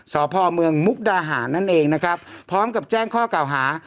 สพเมืองมุกดาหารนั่นเองนะครับพร้อมกับแจ้งข้อเก่าหา